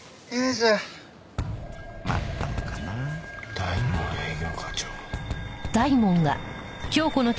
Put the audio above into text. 大門営業課長。